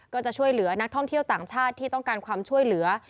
ก็จะช่วยเหลือนักท่องเที่ยวต่างชาติที่ต้องการความช่วยเหลือ